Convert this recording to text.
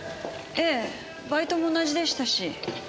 ええバイトも同じでしたし。